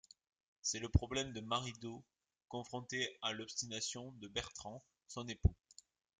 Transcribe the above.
C'est le problème de Marie-Do, confrontée à l'obstination de Bertrand, son époux.